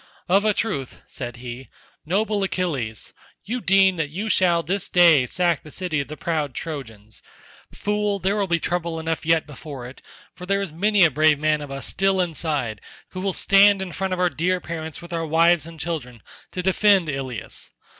"Of a truth," said he, "noble Achilles, you deem that you shall this day sack the city of the proud Trojans. Fool, there will be trouble enough yet before it, for there is many a brave man of us still inside who will stand in front of our dear parents with our wives and children, to defend Ilius.